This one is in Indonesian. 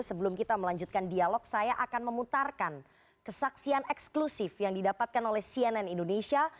sebelum kita melanjutkan dialog saya akan memutarkan kesaksian eksklusif yang didapatkan oleh cnn indonesia